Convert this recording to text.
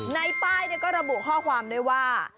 ในป้ายก็ระบุข้อความด้วยว่า